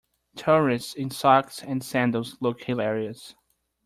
Tourists in socks and sandals look hilarious.